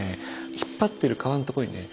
引っ張ってる革のとこにね